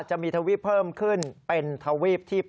จะมีทวีปเพิ่มขึ้นเป็นทวีปที่๘